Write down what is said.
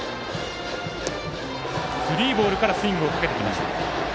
３ボールからスイングをかけてきました。